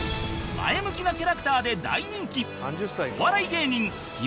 前向きなキャラクターで大人気！